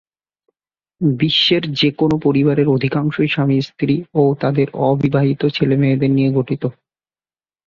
বিশ্বের যেকোন পরিবারের অধিকাংশই স্বামী-স্ত্রী ও তাদের অবিবাহিত ছেলেমেয়েদের নিয়ে গঠিত।